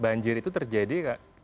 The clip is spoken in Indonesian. banjir itu terjadi